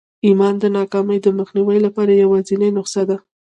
ایمان د ناکامۍ د مخنیوي لپاره یوازېنۍ نسخه ده